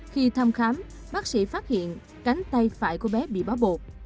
khi thăm khám bác sĩ phát hiện cánh tay phải của bé bị bó bột